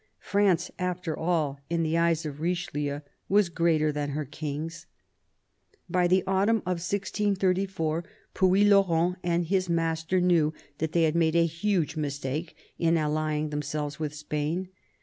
France after all, in the eyes of Richelieu, was greater than her kings. By the autumn of 1634 Puylaurens and his master knew that they had made a huge mistake in allying themselves with Spain.